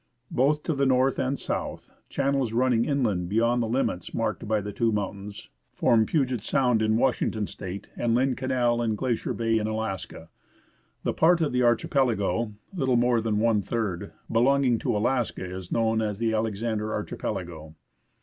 Both to north and south, channels running inland beyond the limits marked by the two moun 16 FROM SEATTLE TO JUNEAU tains, form Puget Sound in Washington State, and Lynn Canal and Glacier Bay in Alaska. The part of the archipelago (little more than one third) belonging to Alaska is known as the Alexander Archipelago.